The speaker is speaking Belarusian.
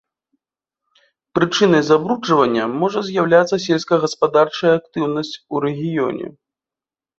Прычынай забруджвання можа з'яўляцца сельскагаспадарчая актыўнасць у рэгіёне.